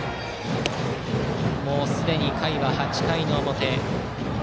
すでに回は８回の表。